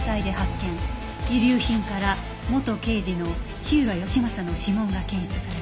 遺留品から元刑事の火浦義正の指紋が検出された